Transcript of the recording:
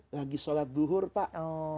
lagi sholat duhur pak